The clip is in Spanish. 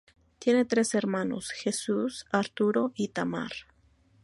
Tiene tres hermanos: Jesús, Arturo y Tamar.